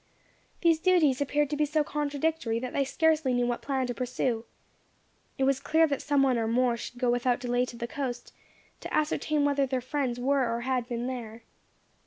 These duties appeared to be so contradictory, that they scarcely knew what plan to pursue. It was clear that some one or more should go without delay to the coast, to ascertain whether their friends were or had been there.